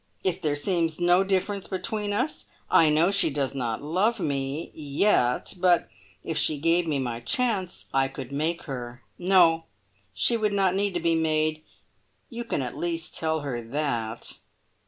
If there seems no difference between us? I know she does not love me yet; but if she gave me my chance, I could make her. No, she would not need to be made. You can at least tell her that."